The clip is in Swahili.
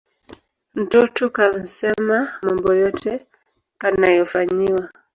Ntoto kansema mambo yote kanayofanyiwa